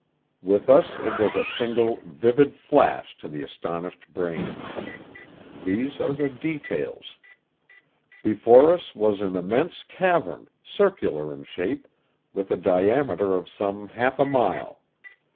With us it was a single, vivid flash to the astonished brain. These are the details: Before us was an immense cavern, circular in shape, with a diameter of some half a mile.